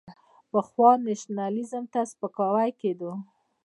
پخوا نېشنلېزم ته سپکاوی کېده.